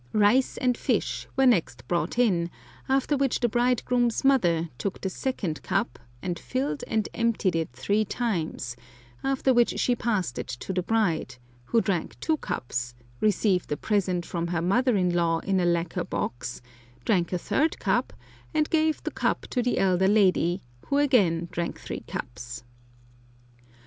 Rice and fish were next brought in, after which the bridegroom's mother took the second cup, and filled and emptied it three times, after which she passed it to the bride, who drank two cups, received a present from her mother in law in a lacquer box, drank a third cup, and gave the cup to the elder lady, who again drank three cups.